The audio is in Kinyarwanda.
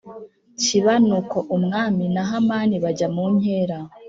kiba Nuko umwami na Hamani bajya mu nkera